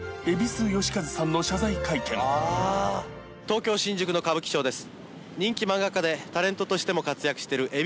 東京・新宿の歌舞伎町です。